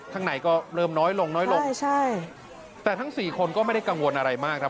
ยังน้อยลงลงลงแต่ทั้ง๔คนก็ไม่ได้กังวลอะไรมากครับ